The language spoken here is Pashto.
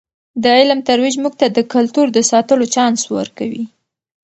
د علم ترویج موږ ته د کلتور د ساتلو چانس ورکوي.